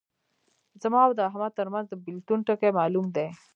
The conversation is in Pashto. زما او د احمد ترمنځ د بېلتون ټکی معلوم دی.